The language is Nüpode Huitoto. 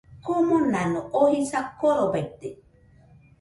Komonano oo jisa korobaite